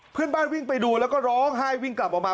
เพื่อนบ้านวิ่งไปดูแล้วก็ร้องไห้วิ่งกลับออกมา